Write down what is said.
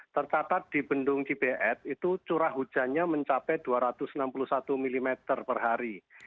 tercatat di bendung cibet itu curah hujannya mencapai dua ratus enam puluh satu mm per hari